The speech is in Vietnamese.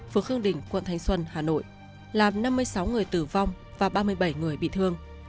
phường khương đình quận thanh xuân hà nội làm năm mươi sáu người tử vong và ba mươi bảy người bị thương